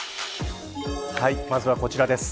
まずは、こちらです。